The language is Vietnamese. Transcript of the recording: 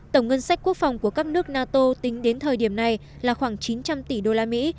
tổng ngân sách quốc phòng của các nước nato tính đến thời điểm này là khoảng chín trăm linh tỷ usd